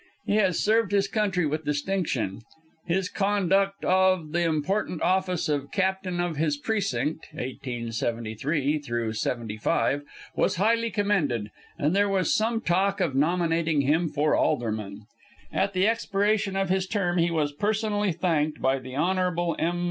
He has served his country with distinction. His conduct of the important office of captain of his precinct (1873 75) was highly commended, and there was some talk of nominating him for alderman. At the expiration of his term he was personally thanked by the Hon. M.